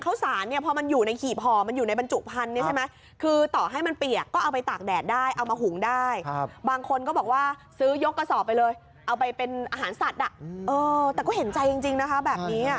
คุณผู้ชมมีบริการล้างให้อยู่หน้าร้างก่อนค่ะ